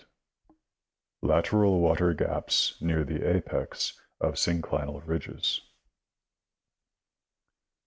Lateral water gaps near the apex of synclinal ridges.